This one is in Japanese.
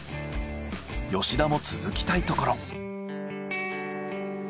吉田も続きたいところ。